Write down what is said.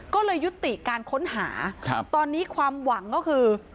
ก็เลยยุติการค้นหาตอนนี้ความหวังก็คือ